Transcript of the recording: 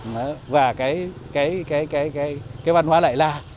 và cái văn hóa đại la ở cái chỗ khai quật này ở cái vị trí khai quật này